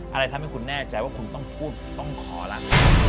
อะไรทำให้คุณแน่ใจว่าคุณต้องพูดต้องขอละ